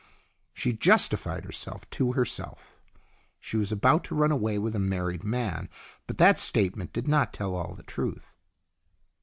She justified herself to herself. She was about to run away with a married man ; but that statement did not tell all the truth.